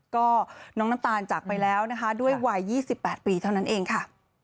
ก็น้องน้ำตาลจากไปแล้วนะคะด้วยวัย๒๘ปีเท่านั้นเองค่ะ